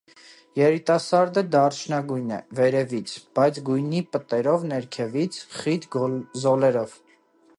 Երիտասարդը դարչնագույն է, վերևից՝ բաց գույնի պտերով, ներքևից՝ խիտ զոլերով։